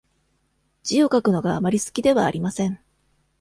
字を書くのがあまり好きではありません。